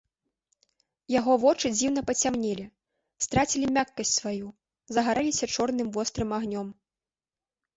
Яго вочы дзіўна пацямнелі, страцілі мяккасць сваю, загарэліся чорным вострым агнём.